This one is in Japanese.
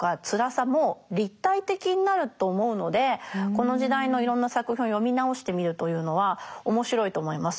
この時代のいろんな作品を読み直してみるというのは面白いと思います。